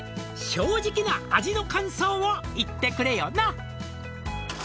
「正直な味の感想を言ってくれよな」